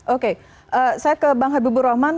oke saya ke bang habibur rahman